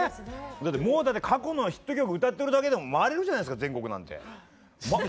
もうだって過去のヒット曲歌ってるだけでも回れるじゃないですか全国なんて。